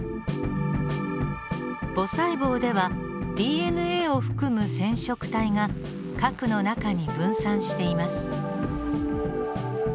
母細胞ではＤＮＡを含む染色体が核の中に分散しています。